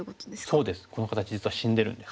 そうですこの形実は死んでるんです。